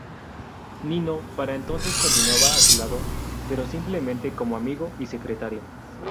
Nino, para entonces continuaba a su lado, pero simplemente como amigo y secretario.